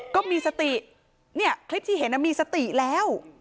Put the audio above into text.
ก็มีสติเนี่ยคลิปที่เห็นมีสติแล้ว